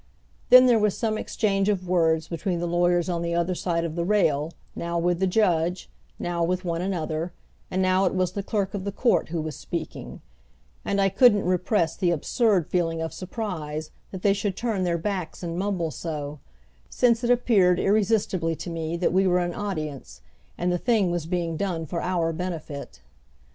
Then there was some exchange of words between the lawyers on the other side of the rail, now with the judge, now with one another; and now it was the clerk of the court who was speaking; and I couldn't repress the absurd feeling of surprise that they should turn their backs and mumble so, since it appeared irresistibly to me that we were an audience, and the thing was being done for our benefit.